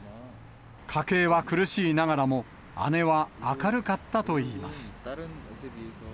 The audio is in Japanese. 家計は苦しいながらも、姉は明るかったといいます。